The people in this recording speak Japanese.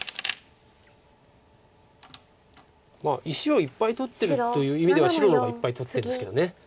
石をいっぱい取ってるという意味では白の方がいっぱい取ってるんですけど。